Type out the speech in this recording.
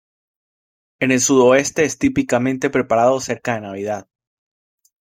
En el sudoeste es típicamente preparado cerca de Navidad.